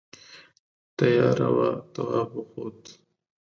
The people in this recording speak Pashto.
تیاره وه تواب وخوت.